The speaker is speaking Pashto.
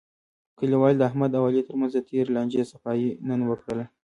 کلیوالو د احمد او علي ترمنځ د تېرې لانجې صفایی نن وکړله.